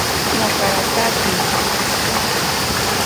Naakatake.